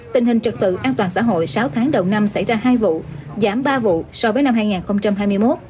tình hình trật tự an toàn xã hội sáu tháng đầu năm xảy ra hai vụ giảm ba vụ so với năm hai nghìn hai mươi một